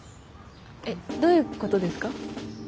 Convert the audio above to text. どういうことですか？